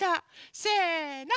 せの！